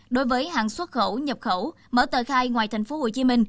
đối với hàng xuất khẩu nhập khẩu mở tờ khai ngoài tp hcm